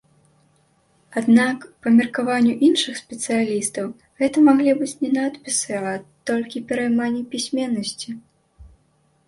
Аднак, па меркаванню іншых спецыялістаў, гэта маглі быць не надпісы, а толькі перайманне пісьменнасці.